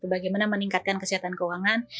bagaimana meningkatkan kesehatan keuangan